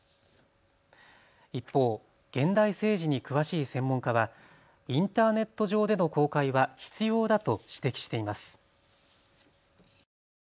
一方、現代政治に詳しい専門家はインターネット上での公開は必要だと指摘しています。